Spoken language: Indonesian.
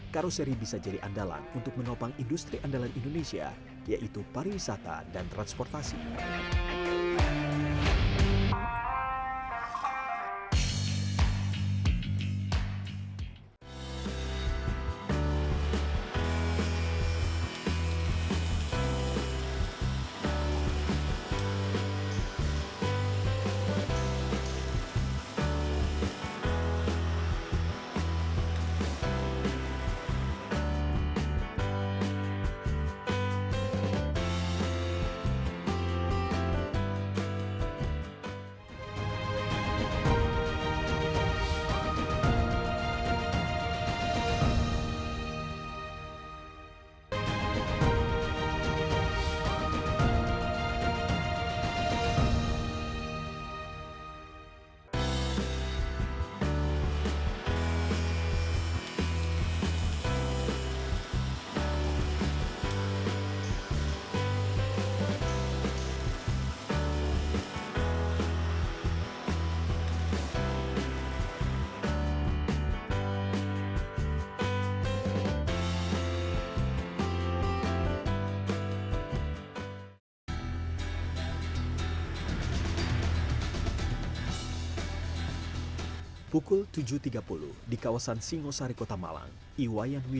karoseri bisa jadi andalan untuk menopang industri andalan indonesia yaitu pariwisata dan transportasi